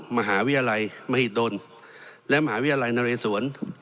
ระหว่างมหาวิทยาลัยมหิตดลและมหาวิทยาลัยนรัยสวน